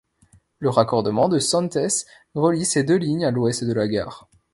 Le raccordement de Santes relie ces deux lignes à l'ouest de la gare.